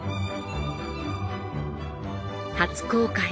初公開。